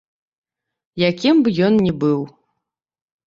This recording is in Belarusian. Якім б ён не быў.